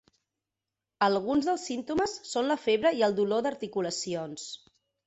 Alguns dels símptomes són la febre i el dolor d'articulacions.